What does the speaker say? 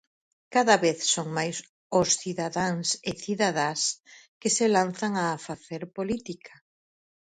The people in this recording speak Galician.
Cada vez son máis os cidadáns e cidadás que se lanzan a facer política.